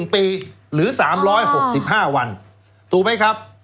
๑ปีหรือ๓๖๕วันถูกไหมครับ